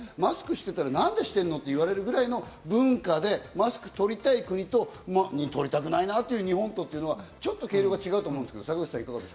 マスクしてたら、何でしてるの？って言われるぐらいの文化で、マスクを取りたい国と取りたくないなっていう日本とちょっと毛色が違うと思うんですけど、坂口さん。